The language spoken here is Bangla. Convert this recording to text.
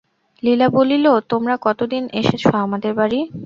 লীলা বলিল, তোমরা কতদিন এসেচ আমাদের বাড়ি?